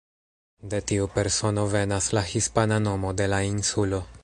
De tiu persono venas la hispana nomo de la insulo.